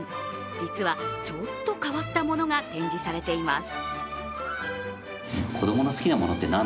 実はちょっと変わったものが展示されています。